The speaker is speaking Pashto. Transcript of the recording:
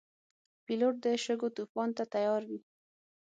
پیلوټ د شګو طوفان ته تیار وي.